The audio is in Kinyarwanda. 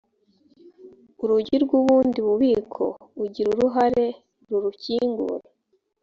urugi rw’ubundi bubiko ugira uruhare rurukingura